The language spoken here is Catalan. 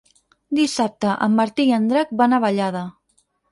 Dissabte en Martí i en Drac van a Vallada.